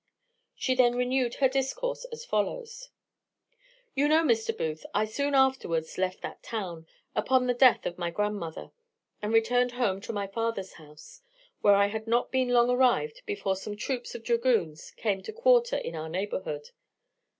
She then renewed her discourse as follows: "You know, Mr. Booth, I soon afterwards left that town, upon the death of my grandmother, and returned home to my father's house; where I had not been long arrived before some troops of dragoons came to quarter in our neighbourhood.